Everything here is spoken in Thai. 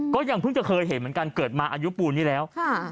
ก็ยังเพิ่งจะเคยเห็นเหมือนกันเกิดมาอายุปูนนี้แล้ว